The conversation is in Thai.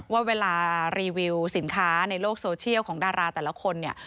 ว่าเวลารีวิวสินค้าในโลกโซเชียลของดาราแต่ละคนเนี่ย